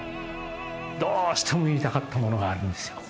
どうしても見たかった物があるんですよ。